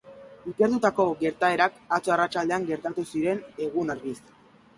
Ikertutako gertaerak atzo arratsaldean gertatu ziren, egun argiz.